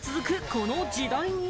この時代に？